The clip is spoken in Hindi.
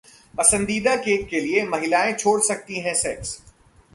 पसंदीदा केक के लिए महिलाएं छोड़ सकती हैं सेक्स